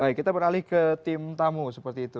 baik kita beralih ke tim tamu seperti itu